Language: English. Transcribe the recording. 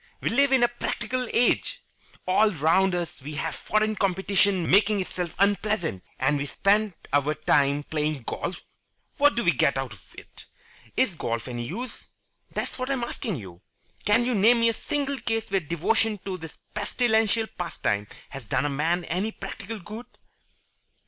We live in a practical age. All round us we see foreign competition making itself unpleasant. And we spend our time playing golf! What do we get out of it? Is golf any use? That's what I'm asking you. Can you name me a single case where devotion to this pestilential pastime has done a man any practical good?"